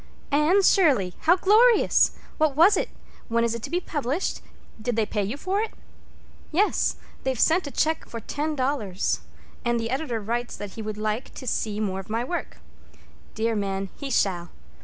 "Anne Shirley! How glorious! What was it? When is it to be published? Did they pay you for it?" "Yes; they've sent a check for ten dollars, and the editor writes that he would like to see more of my work. Dear man, he shall.